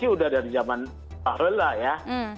sudah dari zaman pahala ya